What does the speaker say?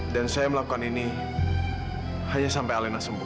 dan saya melakukan ini hanya sampai alina sembuh